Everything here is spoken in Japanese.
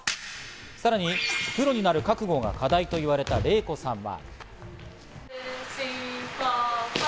さらにプロになる覚悟が課題と言われたレイコさんは。